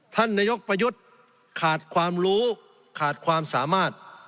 ท่านนายกประยุทธ์ขาดความรู้ขาดความสามารถ